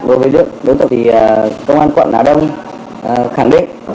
đối với đối tượng thì công an quận hà đông khẳng định